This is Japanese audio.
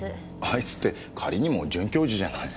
あいつって仮にも准教授じゃない。